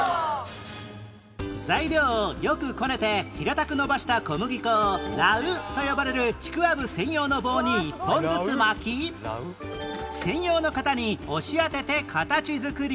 材料をよくこねて平たく延ばした小麦粉を羅宇と呼ばれるちくわぶ専用の棒に一本ずつ巻き専用の型に押し当てて形作り